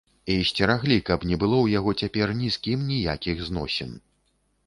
І сцераглі, каб не было ў яго цяпер ні з кім ніякіх зносін.